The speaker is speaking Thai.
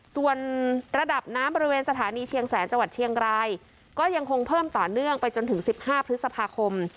ส่วนระดับน้ำบริเวณสถานีเชียงแสนจังหวัดเชียงรายก็ยังคงเพิ่มต่อเนื่องไปจนถึง๑๕พฤษภาคม